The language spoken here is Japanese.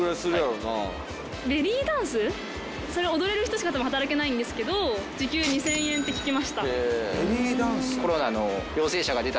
それ踊れる人しかたぶん働けないんですけど時給２，０００円って聞きました。